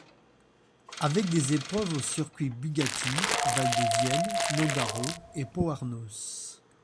Avec des épreuves aux circuits Bugatti, Val de Vienne, Nogaro et Pau-Arnos.